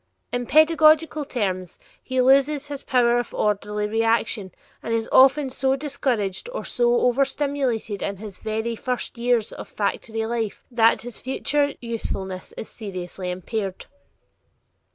In pedagogical terms, he loses his "power of orderly reaction" and is often so discouraged or so overstimulated in his very first years of factory life that his future usefulness is seriously impaired.